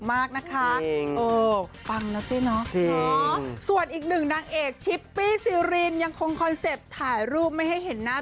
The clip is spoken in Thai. มากนะคะเออฟังแล้วเจ๊เนาะส่วนอีกหนึ่งนางเอกชิปปี้ซีรินยังคงคอนเซ็ปต์ถ่ายรูปไม่ให้เห็นหน้า